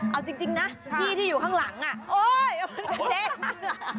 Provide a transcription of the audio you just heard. เอาจริงนะพี่ที่อยู่ข้างหลังโอ๊ยมันกระเด้ง